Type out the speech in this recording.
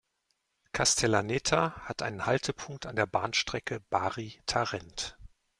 Castellaneta hat einen Haltepunkt an der Bahnstrecke Bari–Tarent.